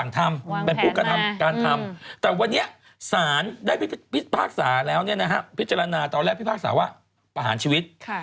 แต่วันนี้สารได้พิจารณามาก่อนแล้วต้องและพิจารณาว่าประหาญชีวิต